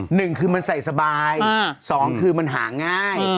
หนึ่งคือมันใส่สบายสองคือมันหาง่าย